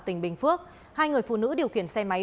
tỉnh bình phước hai người phụ nữ điều khiển xe máy